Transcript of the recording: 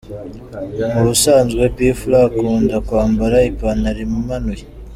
Mu busanzwe P Fla akunda kwambara ipantaro imanuye.